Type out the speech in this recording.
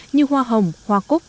như hoa hồng hoa cúc